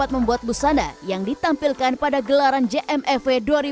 membuat busana yang ditampilkan pada gelaran jmfw dua ribu dua puluh